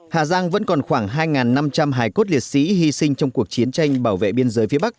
hà giang vẫn còn khoảng hai năm trăm linh hải cốt liệt sĩ hy sinh trong cuộc chiến tranh bảo vệ biên giới phía bắc